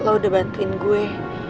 karena lo udah bantuin gue